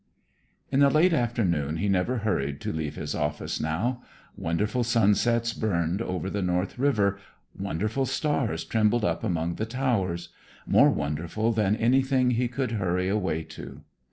In the late afternoon he never hurried to leave his office now. Wonderful sunsets burned over the North River, wonderful stars trembled up among the towers; more wonderful than anything he could hurry away to.